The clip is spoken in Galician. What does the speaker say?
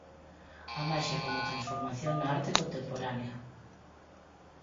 A maxia como transformación na arte contemporánea.